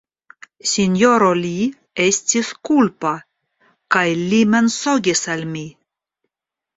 Sinjoro Li estis kulpa kaj li mensogis al mi!